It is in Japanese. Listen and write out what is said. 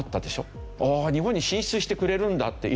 ああ日本に進出してくれるんだって。